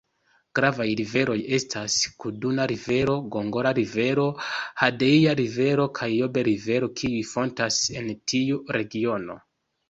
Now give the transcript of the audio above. Gravaj riveroj estas Kaduna-Rivero, Gongola-Rivero, Hadejia-Rivero kaj Jobe-Rivero, kiuj fontas en tiu regiono.